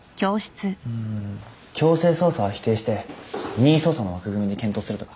うーん強制捜査は否定して任意捜査の枠組みで検討するとか。